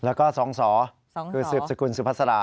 แล้วก็๒สอดคือ๑๐สุขุนสุพัสดา